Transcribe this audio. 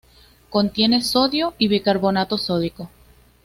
Contiene sodio y bicarbonato sódico.